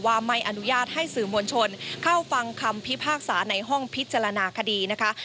ไม่อนุญาตให้สื่อมวลชนเข้าฟังคำพิพากษาในห้องพิจารณาคดีนะคะ